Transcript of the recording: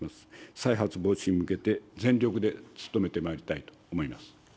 再発防止に向けて、全力で努めてまいりたいと思います。